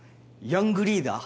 ヤングリーダー？